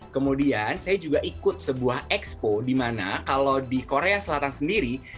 kemudian saya juga ikut sebuah expo di mana kalau di korea selatan sendiri